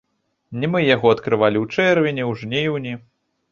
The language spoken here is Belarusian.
Не мы яго адкрывалі ў чэрвені, у жніўні.